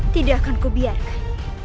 tidak akan kubiarkan